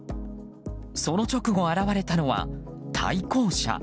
その直後現れたのは対向車。